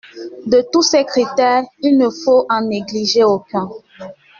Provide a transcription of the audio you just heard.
De tous ces critères, il ne faut en négliger aucun.